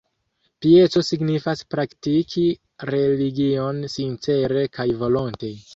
Pieco signifas praktiki religion sincere kaj volonte.